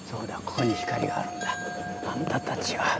ここに光があるんだあんたたちは。